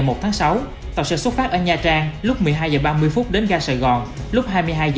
ngày một tháng sáu tàu sẽ xuất phát ở nha trang lúc một mươi hai h ba mươi đến ga sài gòn lúc hai mươi hai h